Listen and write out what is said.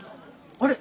あれ？